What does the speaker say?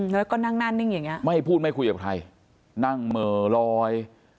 แล้วก็นั่งหน้านิ่งอย่างเงี้ไม่พูดไม่คุยกับใครนั่งเหม่อลอย